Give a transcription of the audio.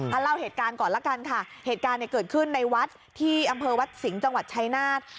เอาเล่าเหตุการณ์ก่อนละกันค่ะเหตุการณ์เนี่ยเกิดขึ้นในวัดที่อำเภอวัดสิงห์จังหวัดชายนาฏ